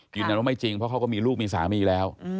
ยืนยันว่าไม่จริงเพราะเขาก็มีลูกมีสามีแล้ว